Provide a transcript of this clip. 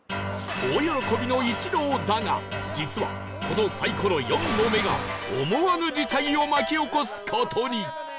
大喜びの一同だが実はこのサイコロ「４」の目が思わぬ事態を巻き起こす事に！